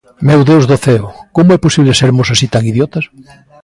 Meu Deus do ceo! Como é posible sermos así tan idiotas?